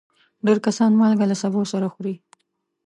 ډېر کسان مالګه له سبو سره خوري.